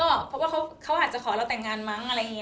เพราะว่าเขาอาจจะขอเราแต่งงานมั้งอะไรอย่างนี้